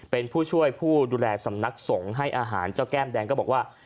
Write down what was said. เป็นผู้ช่วยผู้ดูแลสำนักสงฆ์ให้อาหารเจ้าแก้มแดงก็บอกว่า